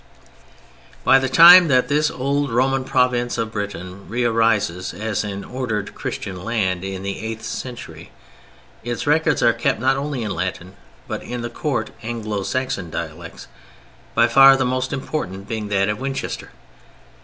By the time that this old Roman province of Britain re arises as an ordered Christian land in the eighth century, its records are kept not only in Latin but in the Court "Anglo Saxon" dialects: by far the most important being that of Winchester.